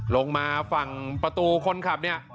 ลงมาฝั่งประตูคนขับเนี่ย